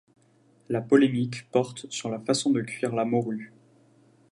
La polémique porte sur la façon de cuire la morue.